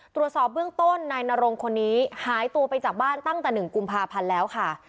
ตรวจสอบเบื้องต้นนายนรงคนนี้หายตัวไปจากบ้านตั้งแต่๑กุมภาพันธ์แล้วค่ะ